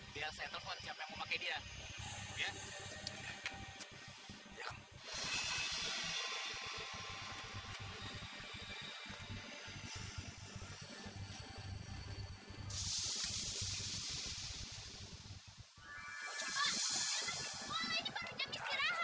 biar saya telepon siapa yang mau pakai dia